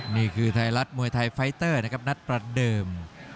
นี่คือไทยรัฐมวยไทยไฟเตอร์นะครับนัดประเดิม